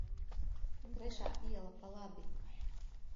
Trešā iela pa labi.